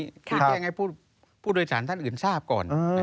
คือแจ้งให้ผู้โดยสารท่านอื่นทราบก่อน